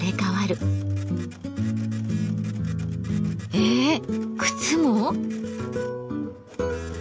えっ靴も？